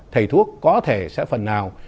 thầy thuốc có thể sẽ phần nào